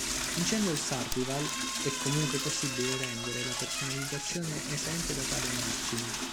Vincendo il survival, è comunque possibile rendere la personalizzazione esente da tale margine.